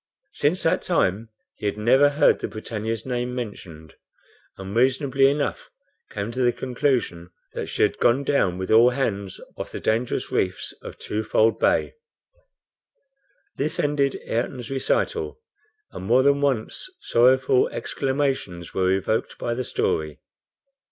Since that time he had never heard the BRITANNIA's name mentioned, and reasonably enough came to the conclusion that she had gone down with all hands off the dangerous reefs of Twofold Bay. This ended Ayrton's recital, and more than once sorrowful exclamations were evoked by the story.